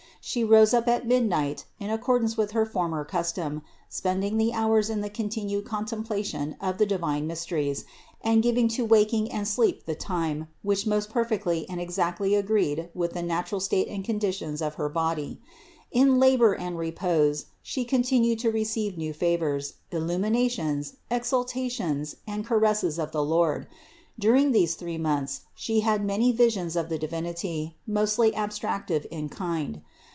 She rose up at midnight in accordance with her former custom, spending the hours in the continued contemplation of the divine mysteries and giving to wak ing and sleep the time, which most perfectly and exactly agreed with the natural state and conditions of her body. In labor and repose She continued to receive new favors, illuminations, exaltation and caresses of the Lord. During these three months She had many visions of the Divinity, mostly abstractive in kind.